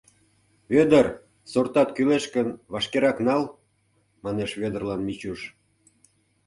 — Вӧдыр, сортат кӱлеш гын, вашкерак нал, — манеш Вӧдырлан Мичуш.